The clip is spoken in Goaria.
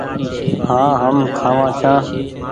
هآن هم کآوآن ڇآن ۔